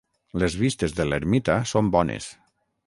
Les vistes des de l'ermita són bones.